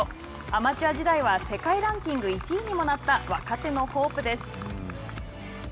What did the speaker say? アマチュア時代は世界ランキング１位にもなった若手のホープです。